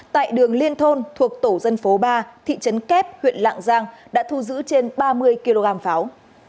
tại đường liên thôn thuộc tổ dân phố ba thị trấn kép huyện lạng giang đã thu giữ trên ba mươi kg pháo